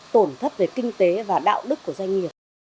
tổn thất về kinh tế và đạo đức của doanh nghiệp